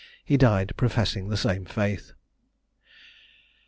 He died professing the same faith.